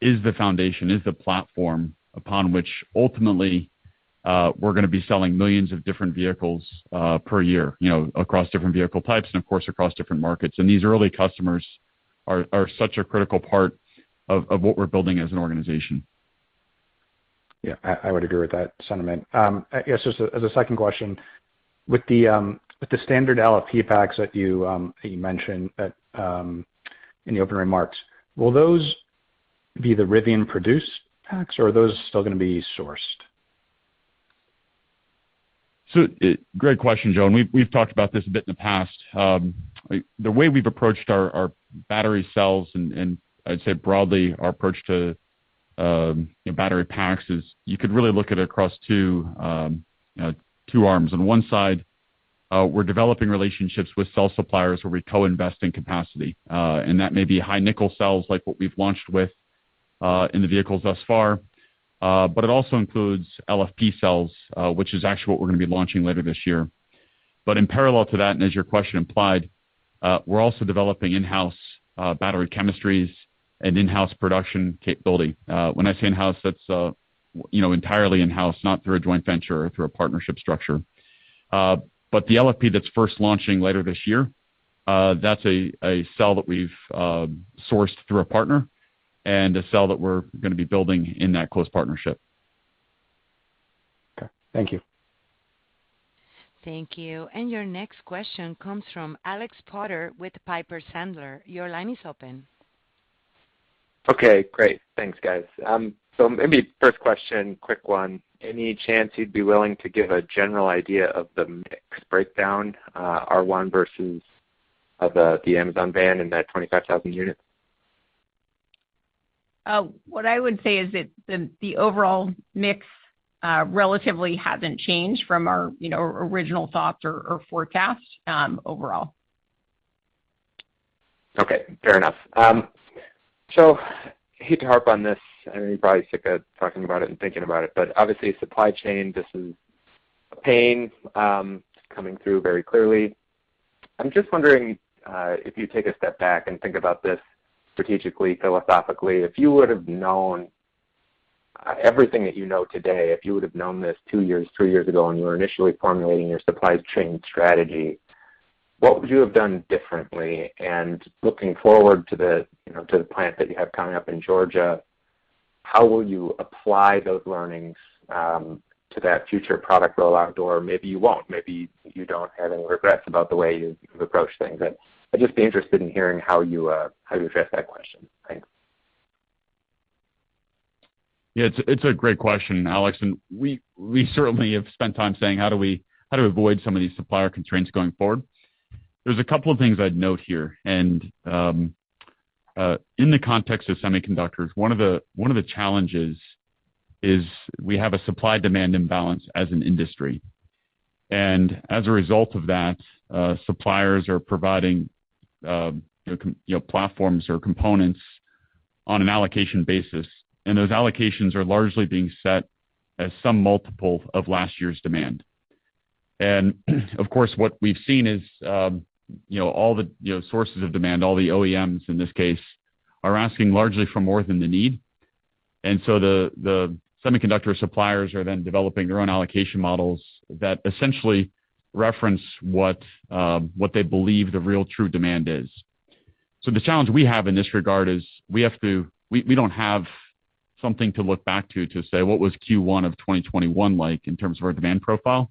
is the foundation, is the platform upon which ultimately we're gonna be selling millions of different vehicles per year, you know, across different vehicle types and of course, across different markets. These early customers are such a critical part of what we're building as an organization. Yeah. I would agree with that sentiment. I guess as a second question, with the standard LFP packs that you mentioned in the opening remarks, will those be the Rivian-produced packs, or are those still gonna be sourced? Great question, Joe, and we've talked about this a bit in the past. The way we've approached our battery cells and I'd say broadly our approach to, you know, battery packs is you could really look at it across two, you know, two arms. On one side, we're developing relationships with cell suppliers where we co-invest in capacity. That may be high nickel cells like what we've launched with in the vehicles thus far. It also includes LFP cells, which is actually what we're gonna be launching later this year. In parallel to that, and as your question implied, we're also developing in-house battery chemistries and in-house production capability. When I say in-house, that's, you know, entirely in-house, not through a joint venture or through a partnership structure. The LFP that's first launching later this year, that's a cell that we've sourced through a partner and a cell that we're gonna be building in that close partnership. Okay. Thank you. Thank you. Your next question comes from Alex Potter with Piper Sandler. Your line is open. Okay, great. Thanks, guys. Maybe first question, quick one. Any chance you'd be willing to give a general idea of the mix breakdown, R1 versus the Amazon van in that 25,000 units? What I would say is that the overall mix relatively hasn't changed from our, you know, original thoughts or forecast overall. Okay. Fair enough. So I hate to harp on this, I know you're probably sick of talking about it and thinking about it, but obviously, supply chain, this is a pain, coming through very clearly. I'm just wondering, if you take a step back and think about this strategically, philosophically, if you would have known, everything that you know today, if you would have known this 2 years, 3 years ago, and you were initially formulating your supply chain strategy, what would you have done differently? Looking forward to the, you know, to the plant that you have coming up in Georgia, how will you apply those learnings, to that future product rollout? Or maybe you won't, maybe you don't have any regrets about the way you've approached things. I'd just be interested in hearing how you address that question. Thanks. Yeah, it's a great question, Alex. We certainly have spent time saying, how to avoid some of these supplier constraints going forward. There's a couple of things I'd note here. In the context of semiconductors, one of the challenges is we have a supply-demand imbalance as an industry. As a result of that, suppliers are providing, you know, platforms or components on an allocation basis, and those allocations are largely being set as some multiple of last year's demand. Of course, what we've seen is, you know, all the sources of demand, all the OEMs in this case, are asking largely for more than the need. The semiconductor suppliers are then developing their own allocation models that essentially reference what they believe the real true demand is. The challenge we have in this regard is we don't have something to look back to say what was Q1 of 2021 like in terms of our demand profile.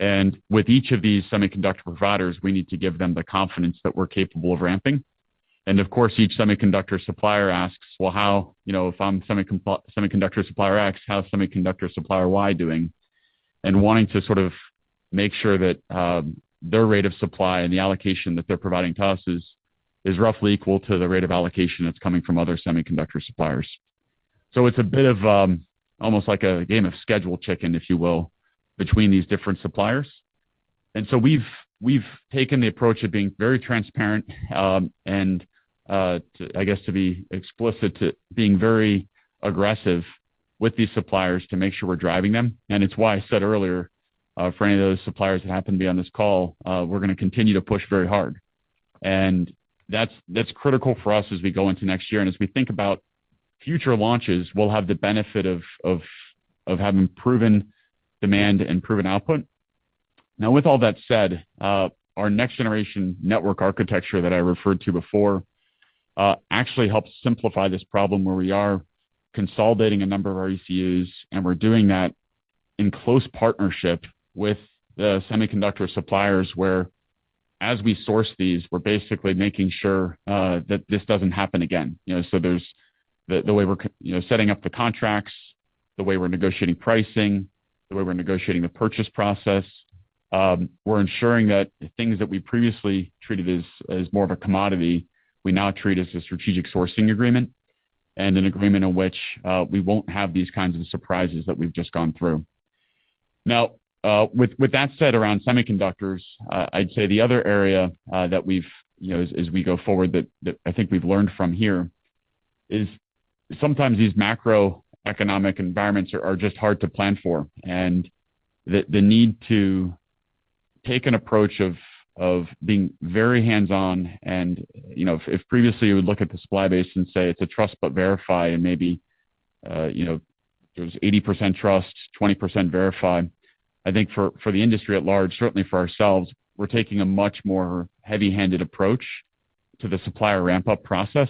With each of these semiconductor providers, we need to give them the confidence that we're capable of ramping. Of course, each semiconductor supplier asks, "Well, you know, if I'm semiconductor supplier X, how's semiconductor supplier Y doing?" Wanting to sort of make sure that their rate of supply and the allocation that they're providing to us is roughly equal to the rate of allocation that's coming from other semiconductor suppliers. It's a bit of almost like a game of schedule chicken, if you will, between these different suppliers. We've taken the approach of being very transparent, and to be explicit, being very aggressive with these suppliers to make sure we're driving them. It's why I said earlier, for any of those suppliers that happen to be on this call, we're gonna continue to push very hard. That's critical for us as we go into next year. As we think about future launches, we'll have the benefit of having proven demand and proven output. Now, with all that said, our next generation network architecture that I referred to before, actually helps simplify this problem where we are consolidating a number of our ECUs, and we're doing that in close partnership with the semiconductor suppliers, where as we source these, we're basically making sure that this doesn't happen again. You know, the way we're setting up the contracts, the way we're negotiating pricing, the way we're negotiating the purchase process, we're ensuring that things that we previously treated as more of a commodity, we now treat as a strategic sourcing agreement and an agreement in which we won't have these kinds of surprises that we've just gone through. Now, with that said around semiconductors, I'd say the other area that we've, you know, as we go forward that I think we've learned from here is sometimes these macroeconomic environments are just hard to plan for. The need to take an approach of being very hands-on and, you know, if previously you would look at the supply base and say it's a trust but verify and maybe, you know, there's 80% trust, 20% verify. I think for the industry at large, certainly for ourselves, we're taking a much more heavy-handed approach to the supplier ramp-up process,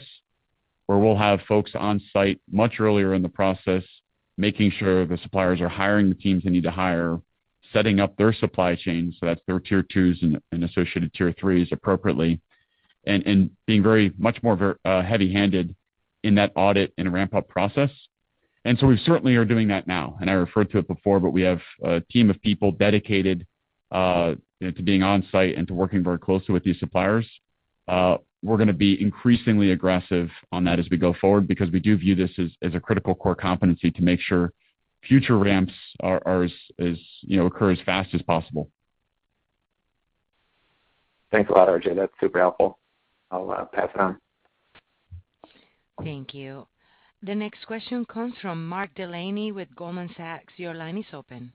where we'll have folks on site much earlier in the process, making sure the suppliers are hiring the teams they need to hire, setting up their supply chain, so that's their tier twos and associated tier threes appropriately, and being very much more heavy-handed in that audit and ramp-up process. We certainly are doing that now, and I referred to it before, but we have a team of people dedicated, you know, to being on site and to working very closely with these suppliers. We're gonna be increasingly aggressive on that as we go forward because we do view this as a critical core competency to make sure future ramps are as... You know, occur as fast as possible. Thanks a lot, RJ. That's super helpful. I'll pass it on. Thank you. The next question comes from Mark Delaney with Goldman Sachs. Your line is open.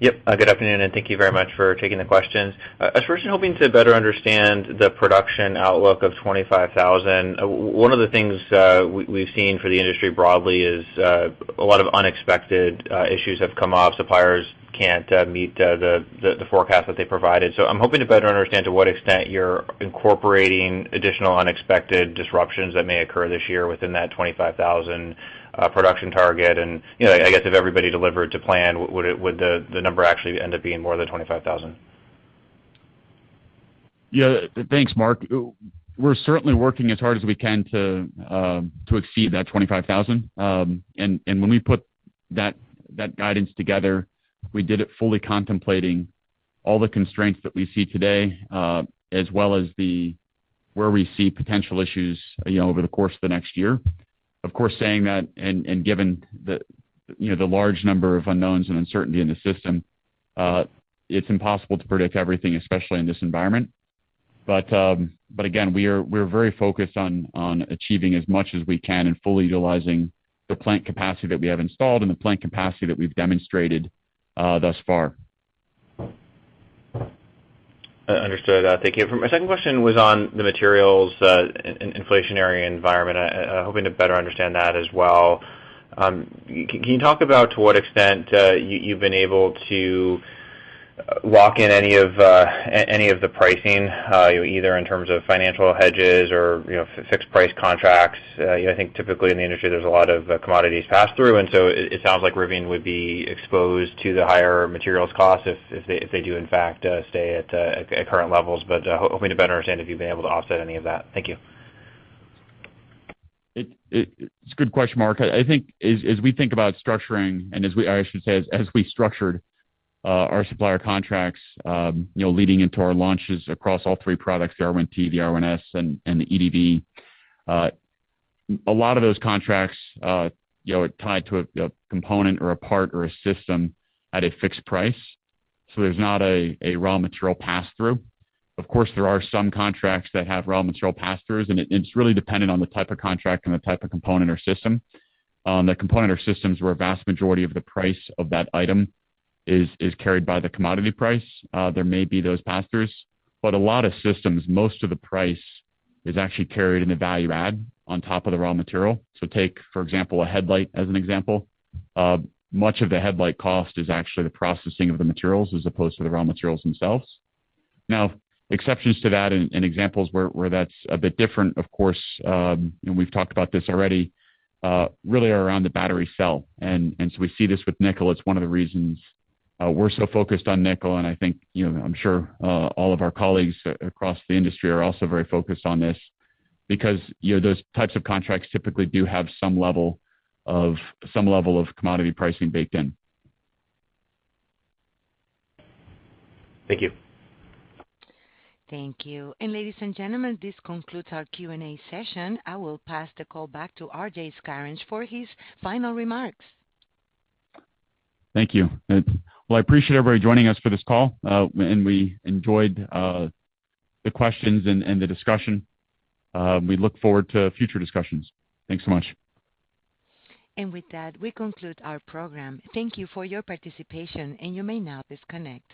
Yep. Good afternoon, and thank you very much for taking the questions. I was first hoping to better understand the production outlook of 25,000. One of the things we've seen for the industry broadly is a lot of unexpected issues have come up. Suppliers can't meet the forecast that they provided. I'm hoping to better understand to what extent you're incorporating additional unexpected disruptions that may occur this year within that 25,000 production target. You know, I guess if everybody delivered to plan, would the number actually end up being more than 25,000? Yeah. Thanks, Mark. We're certainly working as hard as we can to exceed that 25,000. And when we put that guidance together, we did it fully contemplating all the constraints that we see today, as well as where we see potential issues, you know, over the course of the next year. Of course, saying that and given the, you know, the large number of unknowns and uncertainty in the system, it's impossible to predict everything, especially in this environment. Again, we're very focused on achieving as much as we can and fully utilizing the plant capacity that we have installed and the plant capacity that we've demonstrated thus far. Understood. Thank you. My second question was on the materials, inflationary environment. Hoping to better understand that as well. Can you talk about to what extent you've been able to lock in any of the pricing, either in terms of financial hedges or, you know, fixed price contracts? You know, I think typically in the industry, there's a lot of commodities pass-through, and so it sounds like Rivian would be exposed to the higher materials costs if they do, in fact, stay at current levels. But hoping to better understand if you've been able to offset any of that. Thank you. It's a good question, Mark. I think as we structured our supplier contracts, you know, leading into our launches across all three products, the R1T, the R1S, and the EDV, a lot of those contracts, you know, are tied to a component or a part or a system at a fixed price, so there's not a raw material pass-through. Of course, there are some contracts that have raw material pass-throughs, and it's really dependent on the type of contract and the type of component or system. On the component or systems where a vast majority of the price of that item is carried by the commodity price, there may be those pass-throughs. A lot of systems, most of the price is actually carried in the value add on top of the raw material. Take, for example, a headlight as an example. Much of the headlight cost is actually the processing of the materials as opposed to the raw materials themselves. Now, exceptions to that and examples where that's a bit different, of course, and we've talked about this already, really around the battery cell. We see this with nickel. It's one of the reasons we're so focused on nickel, and I think, you know, I'm sure all of our colleagues across the industry are also very focused on this because, you know, those types of contracts typically do have some level of commodity pricing baked in. Thank you. Thank you. Ladies and gentlemen, this concludes our Q&A session. I will pass the call back to RJ Scaringe for his final remarks. Thank you. Well, I appreciate everybody joining us for this call, and we enjoyed the questions and the discussion. We look forward to future discussions. Thanks so much. With that, we conclude our program. Thank you for your participation, and you may now disconnect.